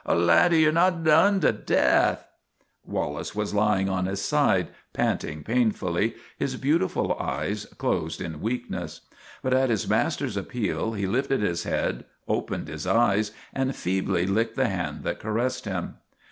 Oh. laddie, ye 're not done to death !' 46 THE TWA DOGS O' GLENFERGUS Wallace was lying on his side, panting painfully, his beautiful eyes closed in weakness. But at his master's appeal he lifted his head, opened his eyes and feebly licked the hand that caressed him.